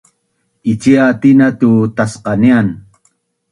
Ciatina tu’tacqanian